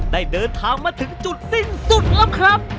ได้เดินทางมาถึงจุดสิ้นสุดแล้วครับ